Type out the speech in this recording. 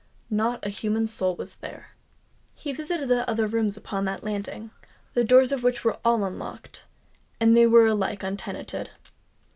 Not a human soul was there. He visited the other rooms upon that landing, the doors of which were all unlocked; and they were alike untenanted.